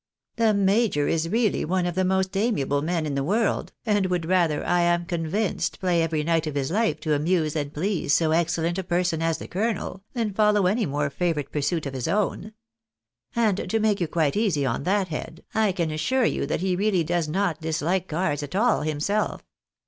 " The major is really one of the most amiable men in the world, and would, rather, I am convinced, play every night of his life to amuse and please so excellent a person as the colonel, than follow any more favourite pursuit of his own. And to make you quite easy on that head, I can assure you that he really does not dislike cards at all himself.